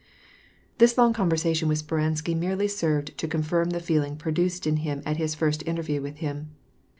This long conversation with Speransky merely served to confirm the feeling produced in him at his first interview with him.